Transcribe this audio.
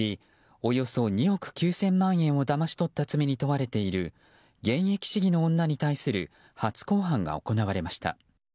およそ２億９０００万円をだまし取った罪に問われている現役市議の女に対する初公判が行われました。